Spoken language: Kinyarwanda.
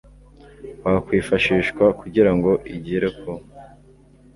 wakwifashishwa kugira ngo igere ku